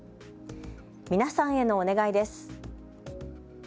皆さんへのお願いです。